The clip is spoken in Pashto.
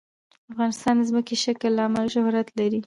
افغانستان د ځمکنی شکل له امله شهرت لري.